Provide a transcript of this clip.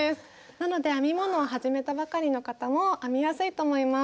なので編み物を始めたばかりの方も編みやすいと思います。